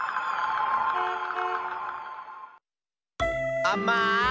あまい！